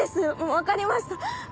わかりました。